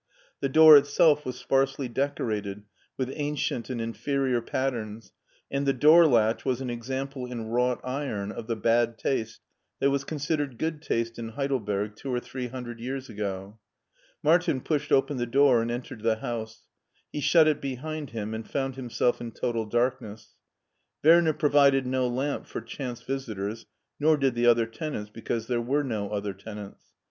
The door itself was sparsely decorated with ancient and inferior patterns and the door latch was an example in wrought iron of the bad taste that was considered good taste in Heidelberg two or three hundred years ago. Martin pushed open the door and entered the house. He shut it behind him and found himself in total darkness. Werner provided no lamp for chance visitors, nor did the other tenants, because there were no other tenants.